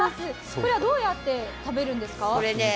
これはどうやって食べるんですか？